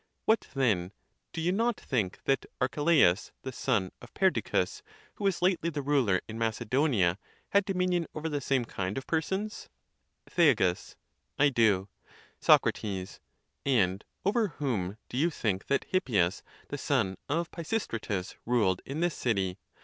What then, do you not think that Archelaus,! the son of Perdiccas, who was lately? the ruler in Macedonia, had. dominion over the same kind of persons ? Thea. I do. Soc. And over whom do you think that Hippias, the son of Pisistratus, ruled in this city